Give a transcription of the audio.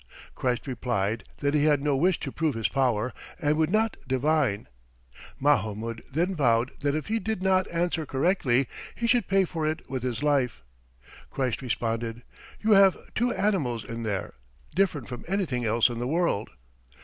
Christ replied that he had no wish to prove his power, and would not 'divine.' Mahamoud then vowed that if he did not answer correctly, he should pay for it with his life. Christ responded, 'You have two animals in there, different from anything else in the world.'